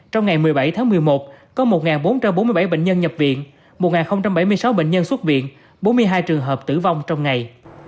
trong ngày một mươi bảy tháng một mươi một có một bốn trăm bốn mươi bảy bệnh nhân nhập viện một bảy mươi sáu bệnh nhân xuất viện bốn mươi hai trường hợp tử vong trong ngày